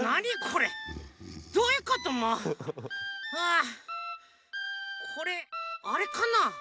あこれあれかな？